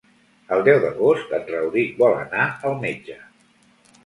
El deu d'agost en Rauric vol anar al metge.